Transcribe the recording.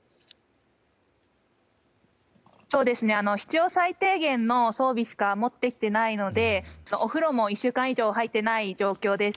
必要最低限の装備しか持ってきていないのでお風呂も１週間以上入っていない状況です。